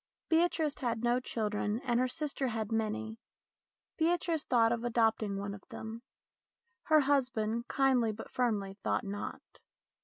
Beatrice had no children, and her sister had many. Beatrice thought of adopting one of them. Her husband, kindly but firmly, thought not.